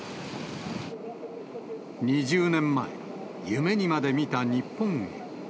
２０年前、夢にまで見た日本へ。